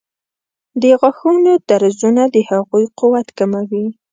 د غاښونو درزونه د هغوی قوت کموي.